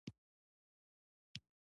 پیاله د شخړو نه هم خوند اخلي.